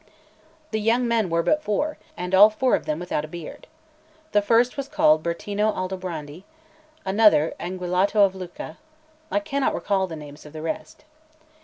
The young men were but four, and all four of them without a beard. The first was called Bertino Aldobrandi, another Anguillotto of Lucca; I cannot recall the names of the rest.